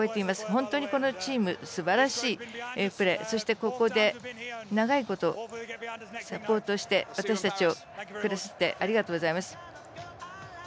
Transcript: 本当にこのチームすばらしいプレーそして、ここで長いことサポートして私たちを、くださってありがとうございます。